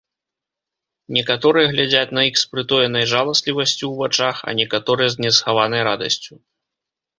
Некаторыя глядзяць на іх з прытоенай жаласлівасцю ў вачах, а некаторыя з несхаванай радасцю.